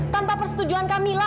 tanpa persetujuan kamila